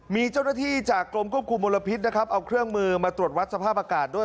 มีเจ้าหน้าที่จากกรมควบคุมมลพิษนะครับเอาเครื่องมือมาตรวจวัดสภาพอากาศด้วย